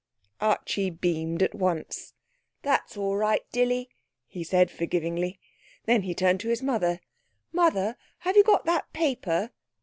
Archie beamed at once. 'That's all right, Dilly,' he said forgivingly. Then he turned to his mother. 'Mother, have you got that paper?'